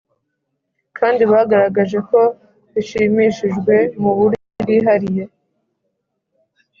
Kandi bagaragaje ko bashimishijwe mu buryo bwihariye